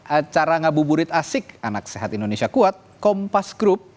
acara ngabuburit asik anak sehat indonesia kuat kompas group